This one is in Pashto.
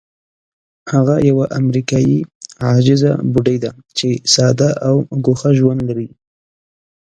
هغه یوه امریکایي عاجزه بوډۍ ده چې ساده او ګوښه ژوند لري.